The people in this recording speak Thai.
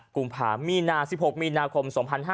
กรุงภาพมีนาคม๑๖มีนาคม๒๕๖๑